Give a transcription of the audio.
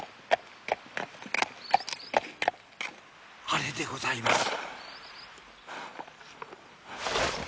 あれでございます。